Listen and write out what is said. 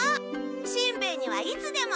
しんべヱにはいつでも。